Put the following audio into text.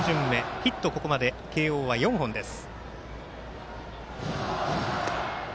ヒット、ここまで慶応は４本です。